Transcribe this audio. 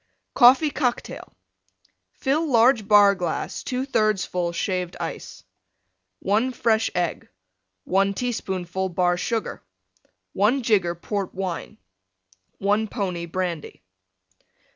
COFFEE COCKTAIL Fill large Bar glass 2/3 full Shaved Ice. 1 fresh Egg. 1 teaspoonful Bar Sugar. 1 jigger Port Wine. 1 pony Brandy.